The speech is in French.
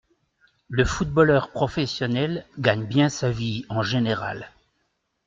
Le footballeur professionnel gagne bien sa vie en général.